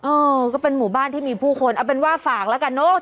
เออก็เป็นหมู่บ้านที่มีผู้คนเอาเป็นว่าฝากแล้วกันเนอะ